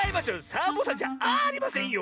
サボさんじゃありませんよ！